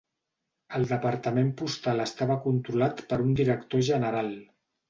El departament postal estava controlat per un director general.